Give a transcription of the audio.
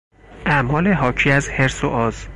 اعمال حاکی از حرص و آز